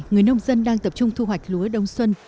người nông dân đang tập trung thu hoạch lúa đông xuân